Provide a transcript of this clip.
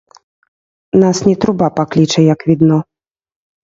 Нас не труба пакліча, як відно.